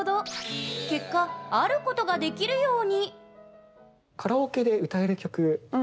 結果、あることができるように。